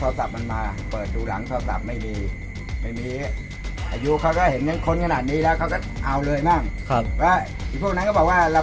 เราไม่รู้ว่ามันลงไปไหนคนออเดอร์มาเขาก็กลับไปแล้ว